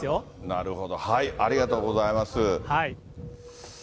なるほど、ありがとうございます。